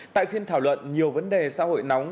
tại phiên thảo luận nhiều vấn đề xã hội nóng